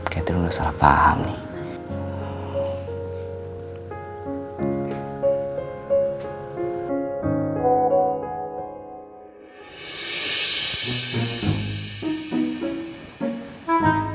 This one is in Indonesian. kayaknya lo udah salah paham nih